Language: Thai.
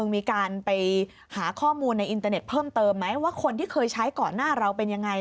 มีอินเตอร์เน็ตเพิ่มเติมไหมว่าคนที่เคยใช้ก่อนหน้าเราเป็นยังไง